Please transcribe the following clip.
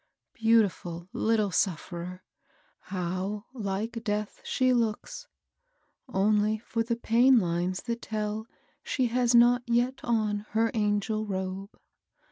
^^ Beautiful little sufferer I how like death she looks, only for the pain lines that tell she has not yet on her angel robe.